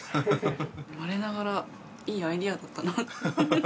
我ながらいいアイデアだったな。